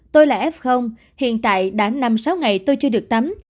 tôi là f hiện tại đã năm sáu ngày tôi chưa được tắm